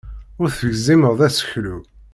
Ur tegzimeḍ aseklu.